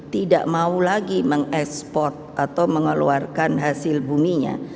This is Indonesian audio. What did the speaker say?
tidak mau lagi mengekspor atau mengeluarkan hasil buminya